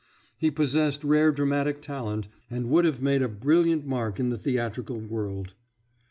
He possessed rare dramatic talent, and would have made a brilliant mark in the theatrical world.